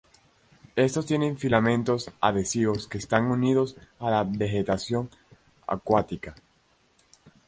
Estos tienen filamentos adhesivos que están unidos a la vegetación acuática.